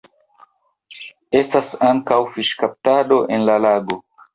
Estas ankaŭ fiŝkaptado en la lago.